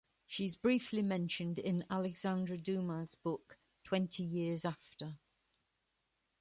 She is briefly mentioned in Alexandre Dumas' book "Twenty Years After".